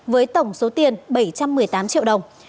với tổng số tiền bảy trăm một mươi tám triệu đồng